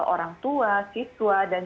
orang tua siswa dan